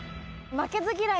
負けず嫌い。